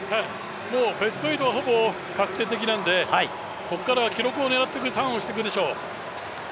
もうベスト８はほぼ確定的なんでここからは記録を狙っていくターンをしていくでしょう。